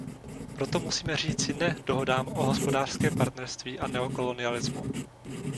Proto musíme říci ne dohodám o hospodářském partnerství a neokolonialismu.